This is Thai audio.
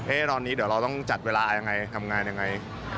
ตอนนี้เดี๋ยวเราต้องจัดเวลายังไงทำงานยังไง